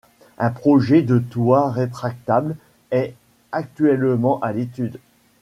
Un projet de toit rétractable est actuellement à l'étude.